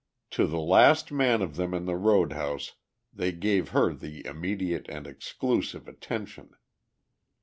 To the last man of them in the road house they gave her their immediate and exclusive attention.